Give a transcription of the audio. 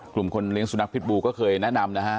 คนเลี้ยสุนัขพิษบูก็เคยแนะนำนะฮะ